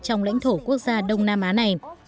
trong lãnh thổ quốc gia đông nam á này